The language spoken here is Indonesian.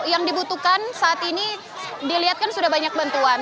yang dibutuhkan saat ini dilihat kan sudah banyak bantuan